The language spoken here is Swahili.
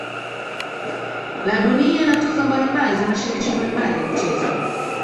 La dunia na tuzo mbalimbali za mashirikisho mbalimbali ya michezo